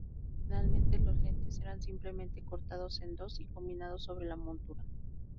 Originalmente, los lentes eran simplemente cortados en dos y combinados sobre la montura.